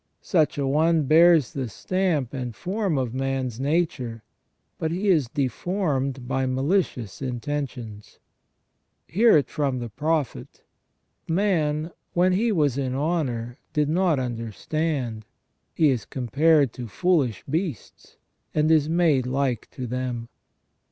Such a one bears the stamp and form of man's nature, but he is deformed by malicious intentions. Hear it from the Prophet :* Man when he was in honour did not understand ; he is compared to foolish beasts, and is made like to them'."